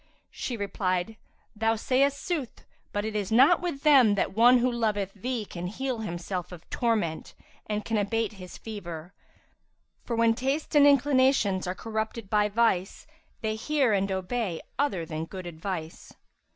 She replied, "Thou sayest sooth, but it is not with them that one who loveth thee can heal himself of torment and can abate his fever; for, when tastes and inclinations are corrupted by vice, they hear and obey other than good advice.